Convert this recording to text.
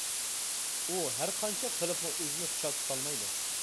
ئۇ ھەر قانچە قىلىپمۇ ئۆزىنى خۇشال تۇتالمايدۇ.